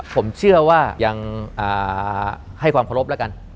ผมเชื่อว่ายังให้ความเคารพแล้วกัน